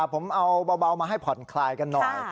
ผมเอาเบามาให้ผ่อนคลายกันหน่อย